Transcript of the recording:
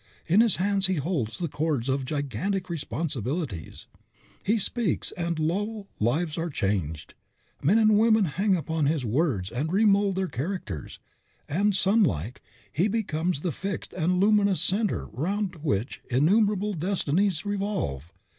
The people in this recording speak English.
In his hands he holds the cords of gigantic responsibilities; he speaks, and lo! lives are changed; men and women hang upon his words and remold their characters, and, sun like, he becomes the fixed and luminous center round which innumerable destinies revolve.